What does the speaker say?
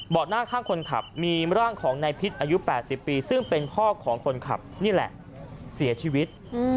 หน้าข้างคนขับมีร่างของนายพิษอายุ๘๐ปีซึ่งเป็นพ่อของคนขับนี่แหละเสียชีวิต